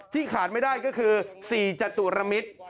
ที่ขาดไม่ได้ก็คือสี่จตุรมิตร